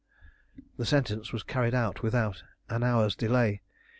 The sentence was carried out without an hour's delay.